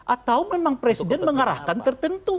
atau memang presiden mengarahkan tertentu